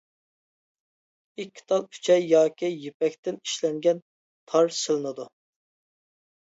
ئىككى تال ئۈچەي ياكى يىپەكتىن ئىشلەنگەن تار سېلىنىدۇ.